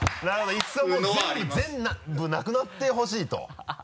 いっそもう全部なくなってほしいと。